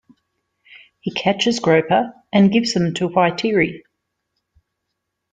He catches groper, and gives them to Whaitiri.